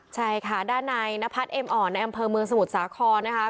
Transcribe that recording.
ใช่ค่ะด้านในนพัฒน์เอ็มอ่อนในอำเภอเมืองสมุทรสาครนะคะ